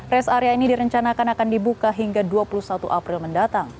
res area ini direncanakan akan dibuka hingga dua puluh satu april mendatang